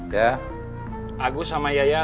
siapa aja mereka